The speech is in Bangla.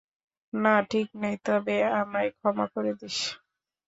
না, ঠিক নেই, তবে আমায় ক্ষমা করে দিস।